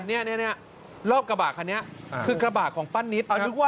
นี่รอบกระบาดคันนี้คือกระบาดของป้านิศครับ